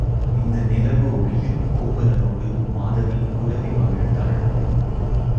இந்த நிலவு ஒளியில் கோவலனோடு மாதவி குலவி மகிழ்ந்தாள்.